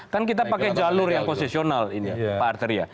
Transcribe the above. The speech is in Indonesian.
kan kita pakai jalur yang konsesional ini ya pak arter